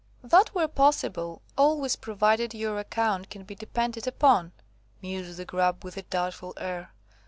"That were possible, always provided your account can be depended upon," mused the Grub with a doubtful air.